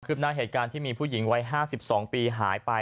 หน้าเหตุการณ์ที่มีผู้หญิงวัย๕๒ปีหายไป